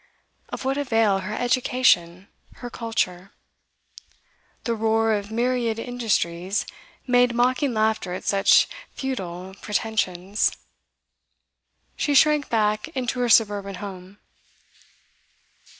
Of what avail her 'education,' her 'culture'? The roar of myriad industries made mocking laughter at such futile pretensions. She shrank back into her suburban home.